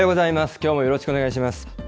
きょうもよろしくお願いします。